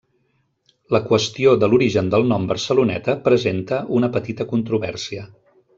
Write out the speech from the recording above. La qüestió de l'origen del nom Barceloneta presenta una petita controvèrsia.